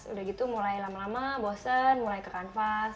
sudah begitu mulai lama lama bosan mulai ke kanvas